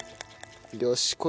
よし。